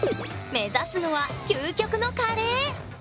目指すのは究極のカレー。